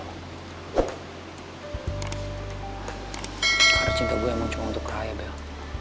karena cinta gue emang cuma untuk raya bel